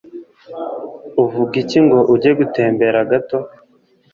Uvuga iki ngo ujye gutembera gato?